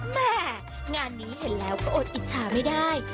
แม่งานนี้เห็นแล้วก็อดอิจฉาไม่ได้